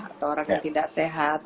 atau orang yang tidak sehat